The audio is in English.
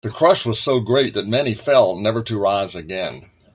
The crush was so great that many fell never to rise again.